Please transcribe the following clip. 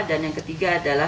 dan yang ketiga adalah